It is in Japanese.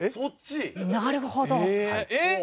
なるほど。